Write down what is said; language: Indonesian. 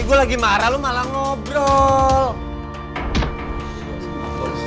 ini gua lagi marah lu malah ngobrol